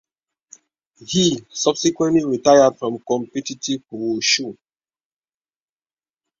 He subsequently retired from competitive wushu.